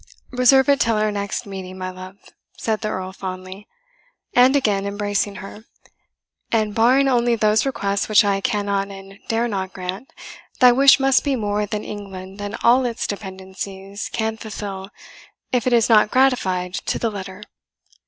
"Reserve it till our next meeting, my love," said the Earl fondly, and again embracing her; "and barring only those requests which I cannot and dare not grant, thy wish must be more than England and all its dependencies can fulfil, if it is not gratified to the letter."